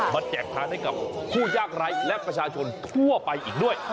แจกทานให้กับผู้ยากไร้และประชาชนทั่วไปอีกด้วย